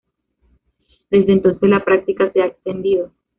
Desde entonces la práctica se ha extendido.